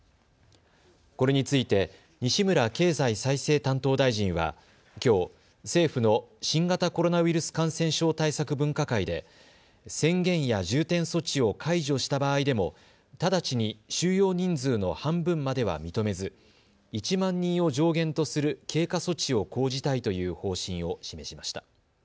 これについて西村経済再生担当大臣はきょう政府の新型コロナウイルス感染症対策分科会で宣言や重点措置を解除した場合でも直ちに収容人数の半分までは認めず１万人を上限とする経過措置を講じたいという方針を示しました。